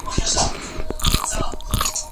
زه کولای شم منډه ووهم،